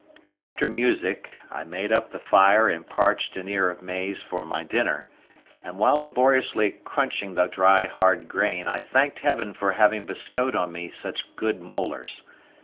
After music I made up the fire and parched an ear of maize for my dinner, and while laboriously crunching the dry hard grain I thanked Heaven for having bestowed on me such good molars.